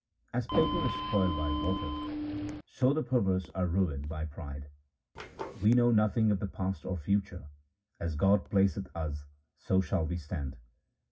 As paper is spoiled by water, so the perverse are ruined by pride. We know nothing of the past or future ; as God placeth us so shall we stand.